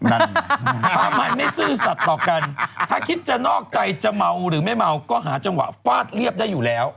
ทำไมไม่ซื่อสัตว์ต่อกันถ้าคิดจะนอกใจจะเมาหรือไม่เมาก็หาจังหวะฟาดเรียบได้อยู่แล้ว